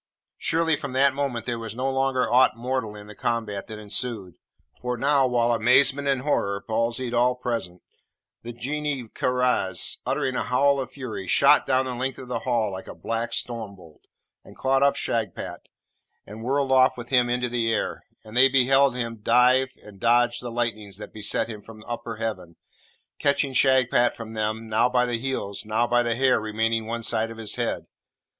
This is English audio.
Surely from that moment there was no longer aught mortal in the combat that ensued. For now, while amazement and horror palsied all present, the Genie Karaz, uttering a howl of fury, shot down the length of the Hall like a black storm bolt, and caught up Shagpat, and whirled off with him into the air; and they beheld him dive and dodge the lightnings that beset him from upper heaven, catching Shagpat from them, now by the heels, now by the hair remaining one side his head.